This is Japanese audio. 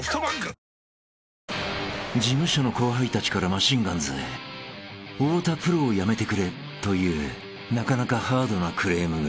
［事務所の後輩たちからマシンガンズへ太田プロを辞めてくれというなかなかハードなクレームが］